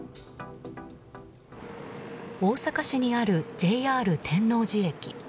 大阪市にあるＪＲ天王寺駅。